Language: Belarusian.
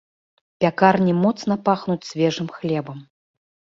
Пякарні моцна пахнуць свежым хлебам.